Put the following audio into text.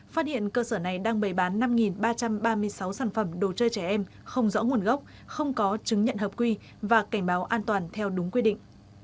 phát hiện cơ sở này đang bày bán năm ba trăm ba mươi sáu sản phẩm đồ chơi trẻ em không rõ nguồn gốc không có chứng nhận hợp quy và cảnh báo an toàn theo đúng quy định